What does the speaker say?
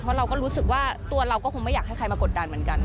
เพราะเราก็รู้สึกว่าตัวเราก็คงไม่อยากให้ใครมากดดันเหมือนกัน